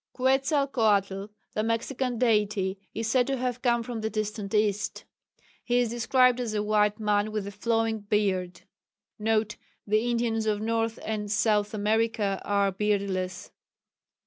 Quetzalcoatl, the Mexican Deity, is said to have come from "the distant east." He is described as a white man with a flowing beard. (N.B. The Indians of North and South America are beardless.)